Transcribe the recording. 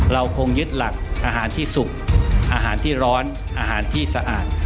เราคงยึดหลักอาหารที่สุกอาหารที่ร้อนอาหารที่สะอาด